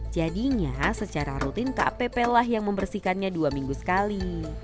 jadinya secara rutin kpp lah yang membersihkannya dua minggu sekali